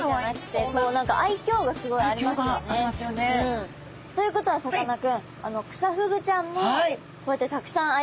すごい愛きょうがありますよね。ということはさかなクン。